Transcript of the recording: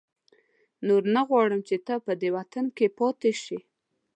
نور نه غواړم چې ته په دې وطن کې پاتې شې.